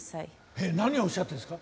えっ何をおっしゃってるんですか？